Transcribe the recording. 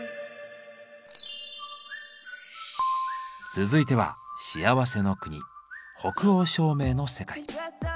続いては幸せの国北欧照明の世界。